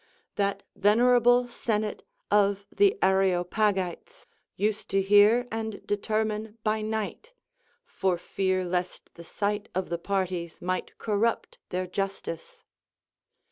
That venerable senate of the Areopagites used to hear and determine by night, for fear lest the sight of the parties might corrupt their justice.